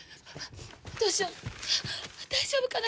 どうしよう大丈夫かな？